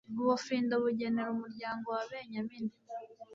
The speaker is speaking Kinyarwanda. ubufindo bugenera umuryango wa benyamini